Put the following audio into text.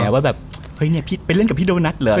ว่าแบบเฮ้ยไปเล่นกับพี่โดนัสเหรอ